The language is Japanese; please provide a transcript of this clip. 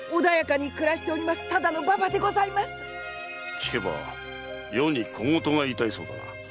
聞けば余に小言が言いたいそうだな。